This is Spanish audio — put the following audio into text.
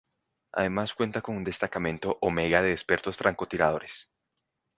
Además cuenta con un destacamento Omega de expertos francotiradores.